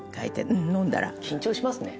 「うん飲んだら」緊張しますね。